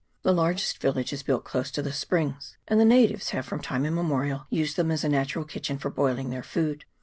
The largest village is built close to the springs, and the natives have from time imme morial used them as a natural kitchen for boiling their food.